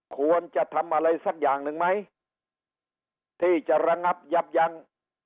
ควรจะทำอะไรสักอย่างหนึ่งไหมที่จะระงับยับยั้ง